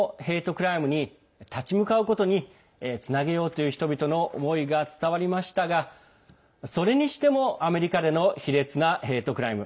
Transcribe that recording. クライムにつなげようという人々の思いが伝わりましたがそれにしてもアメリカでの卑劣なヘイトクライム